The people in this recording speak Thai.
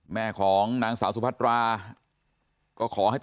แล้วก็ยัดลงถังสีฟ้าขนาด๒๐๐ลิตร